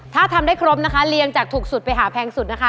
ถ้าทำได้ครบนะคะเรียงจากถูกสุดไปหาแพงสุดนะคะ